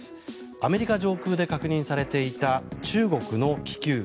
アメリカ上空で確認されていた中国の気球。